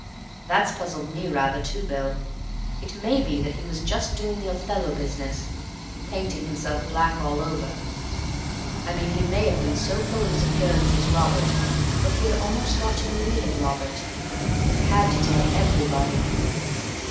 "That's puzzled me rather, too, Bill. It may be that he was just doing the Othello business—painting himself black all over. I mean he may have been so full of his appearance as Robert that he had almost got to believe in Robert, and had to tell everybody.